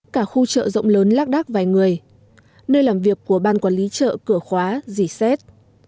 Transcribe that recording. cả khu chợ rộng lớn lác đác vài người nơi làm việc của ban quản lý chợ cửa khóa dì xét